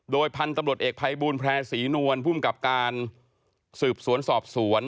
โดยพันธุ์ตำรวจเอกภัยบูลแพร่ศรีนวลภูมิกับการสืบสวนสอบสวน